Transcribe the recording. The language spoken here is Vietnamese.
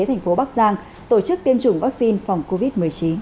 thành phố bắc giang tổ chức tiêm chủng vaccine phòng covid một mươi chín